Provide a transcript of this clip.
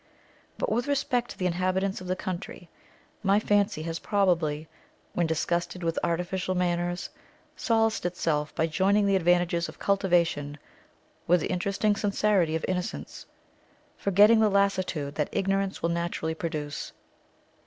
But, with respect to the inhabitants of the country, my fancy has probably, when disgusted with artificial manners, solaced itself by joining the advantages of cultivation with the interesting sincerity of innocence, forgetting the lassitude that ignorance will naturally produce.